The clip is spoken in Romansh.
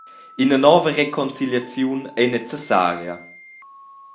Ina nova reconciliaziun ei necessaria.